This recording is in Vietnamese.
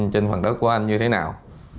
trên phần đất của anh như thế nào